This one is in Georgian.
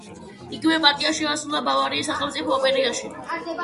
იგივე პარტია შეასრულა ბავარიის სახელმწიფო ოპერაში.